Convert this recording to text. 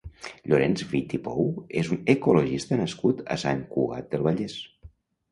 Llorenç Witty Pou és un ecologista nascut a Sant Cugat del Vallès.